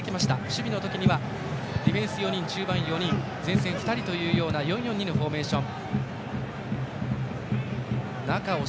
守備の時にはディフェンス４人、中盤４人前線２人という４−４−２のフォーメーション。